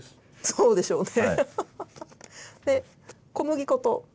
そうでしょうね。